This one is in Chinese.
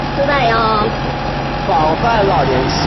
国见站的铁路车站。